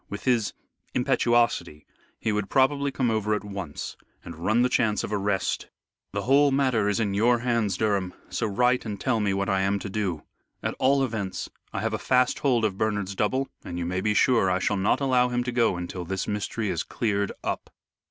With his impetuosity, he would probably come over at once, and run the chance of arrest. The whole matter is in your hands, Durham, so write and tell me what I am to do. At all events I have a fast hold of Bernard's double, and you may be sure I shall not allow him to go until this mystery is cleared up."